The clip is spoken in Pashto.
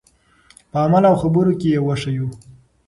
په عمل او خبرو کې یې وښیو.